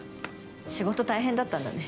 仕事大変だったんだね。